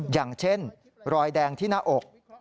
อย่างเช่นรอยแดงที่หน้าอก